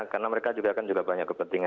karena mereka juga akan banyak kepentingan